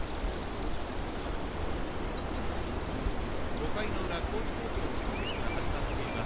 ５回の裏高知高校の攻撃が始まっています。